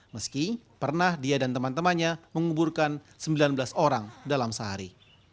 meski pernah dia dan teman temannya menguburkan sembilan belas orang dalam sehari